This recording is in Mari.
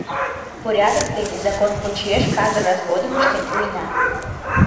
Порядок дене, закон почеш казыр разводым ыштен пуэна.